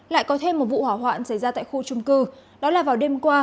lại có thêm một vụ hỏa hoạn xảy ra tại khu trung cư đó là vào đêm qua